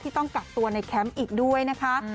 ต้องกักตัวในแคมป์อีกด้วยนะคะ